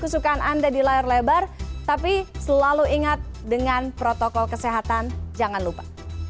kesukaan anda di layar lebar tapi selalu ingat dengan protokol kesehatan jangan lupa